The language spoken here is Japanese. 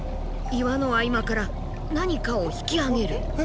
岩の合間から何かを引き上げる。